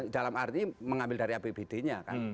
dalam arti mengambil dari apbd nya kan